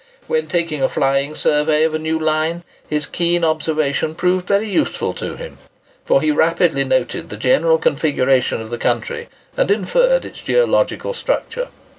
When taking a flying survey of a new line, his keen observation proved very useful to him, for he rapidly noted the general configuration of the country, and inferred its geological structure.